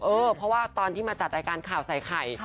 เพราะว่าตอนที่มาจัดรายการข่าวใส่ไข่